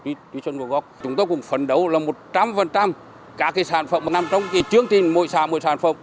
thủy sản vô góc chúng tôi cũng phấn đấu là một trăm linh các sản phẩm nằm trong chương trình mỗi sản phẩm